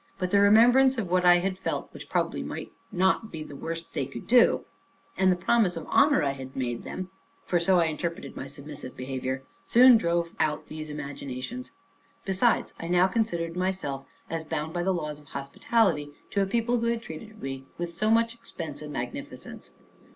But the remembrance of what I had felt, which probably might not be the worst they could do, and the promise of honor I made them, for so I interpreted my submissive behavior, soon drove out these imaginations. Besides, I now considered myself as bound by the laws of hospitality to a people who had treated me with so much expense and magnificence.